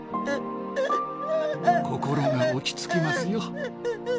心が落ち着きますよ。